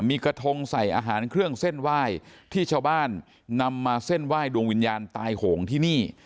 มีกระทงใส่อาหารเครื่องเส้นไหว้ที่ชาวบ้านนำมาเส้นไหว้ดวงวิญญาณตายโหงที่นี่